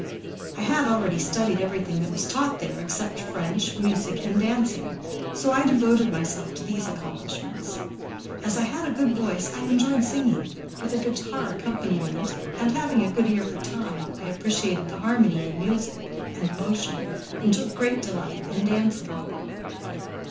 I had already studied everything that was taught there except French, music, and dancing, so I devoted myself to these accomplishments. As I had a good voice I enjoyed singing, with a guitar accompaniment, and, having a good ear for time, I appreciated the harmony in music and motion and took great delight in dancing.